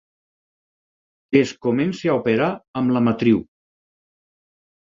Es comença a operar amb la matriu.